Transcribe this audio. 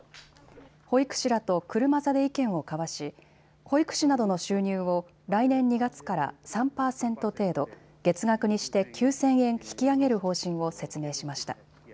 保育士らと車座で意見を交わし保育士などの収入を来年２月から３％程度、月額にして９０００円引き上げる方針を説明しました。